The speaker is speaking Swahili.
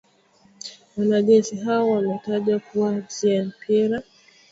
Wanajeshi hao wametajwa kuwa Jean Pierre Habyarimana mwenye namba za usajili mbili saba saba saba tisa